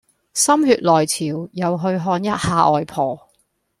心血來潮又去看一下外婆